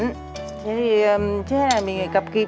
thế thì trước hay là mình gặp kịp